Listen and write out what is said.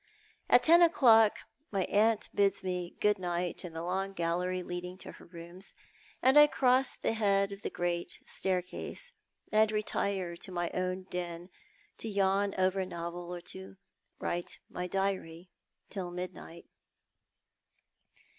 At ten o'clock my aunt bids me good night in the long gallery leading to her rooms, and I cross the head of the great staircase, and retire to my own den, to yawn over a novel or to write my diary, till midnight.